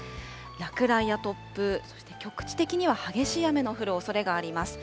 落雷や突風、そして局地的には激しい雨の降るおそれがあります。